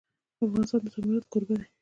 افغانستان د زمرد کوربه دی.